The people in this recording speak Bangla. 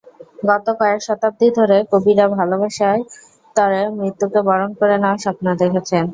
গত কয়েক শতাব্দী ধরে কবিরা ভালোবাসার তরে মৃত্যুকে বরণ করে নেওয়ার স্বপ্ন দেখেছেন!